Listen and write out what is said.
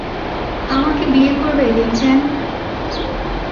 আমাকে বিয়ে করবে, লি-চ্যান?